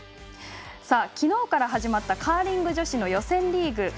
昨日から始まったカーリング女子の予選リーグ。